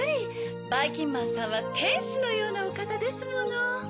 ばいきんまんさんはてんしのようなおかたですもの。